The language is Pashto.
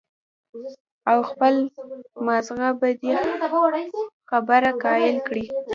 او خپل مازغۀ پۀ دې خبره قائل کړي